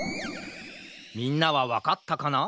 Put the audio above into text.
みんなはわかったかな？